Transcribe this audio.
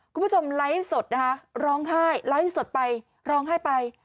คุณผู้ชมไลฟ์สดนะคะร้องไห้ไลฟ์สดไปร้องไห้ไป